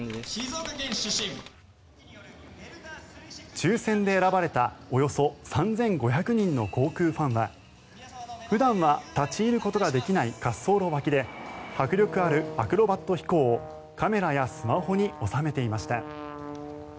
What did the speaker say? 抽選で選ばれたおよそ３５００人の航空ファンは普段は立ち入ることができない滑走路脇で迫力あるアクロバット飛行をカメラやスマホに収めていました。